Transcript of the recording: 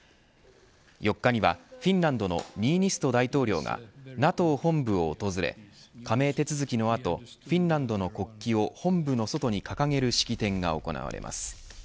４日にはフィンランドのニーニスト大統領がＮＡＴＯ本部を訪れ加盟手続きの後フィンランドの国旗を本部の外に掲げる式典が行われます。